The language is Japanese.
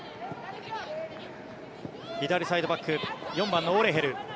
左サイドバック４番のオレヘル。